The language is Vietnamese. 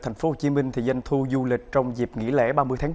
tăng một mươi một so với cùng kỳ năm hai nghìn hai mươi ba